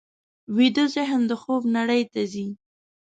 ویده ذهن د خوب نړۍ ته ځي